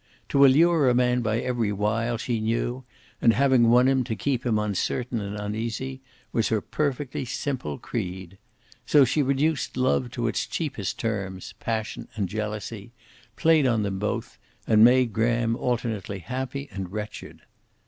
To allure a man by every wile she knew, and having won him to keep him uncertain and uneasy, was her perfectly simple creed. So she reduced love to its cheapest terms, passion and jealousy, played on them both, and made Graham alternately happy and wretched.